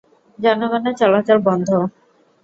জনগণের চলাচল বন্ধ।